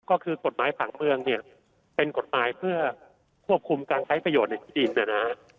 ก็คือกฎหมายผังเมืองเนี่ยเป็นกฎหมายเพื่อควบคุมการใช้ประโยชน์ในที่ดินนะฮะ